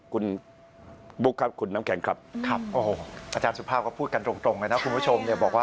คุณบุ๊กครับคุณน้ำแข็งครับอาจารย์สุขภาพพูดกันตรงไงนะคุณผู้ชม